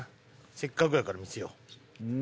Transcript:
せっかくやから見せよう。